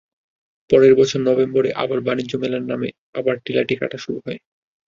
পরের বছরের নভেম্বরেই আবার বাণিজ্য মেলার নামে আবার টিলাটি কাটা শুরু হয়।